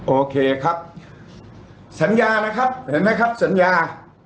โอเคครับสัญญานะครับเห็นไหมครับสัญญา